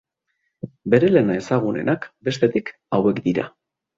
Bere lan ezagunenak, bestetik, hauek dira.